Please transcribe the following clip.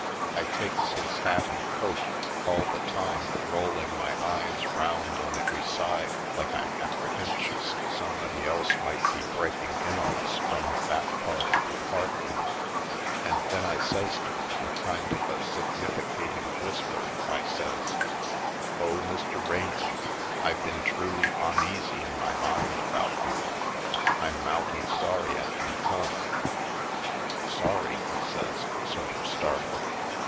I takes his hat and coat, all the time rolling my eyes round on every side like I'm apprehentious somebody else might be breaking in on us from the back part of the apartment, and then I says to him in a kind of a significat ing whisper, I says : "Oh, Mr. Raynor, I been truly oneasy in my mind 'bout you — I'm mouty sorry 'at you come!" "Sorry?" he says, sort of startled.